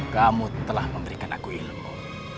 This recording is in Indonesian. kamu telah memberikan aku ilmu